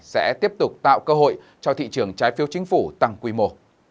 sẽ tiếp tục tạo cơ hội cho thị trường trái phiếu chính phủ tăng quy mô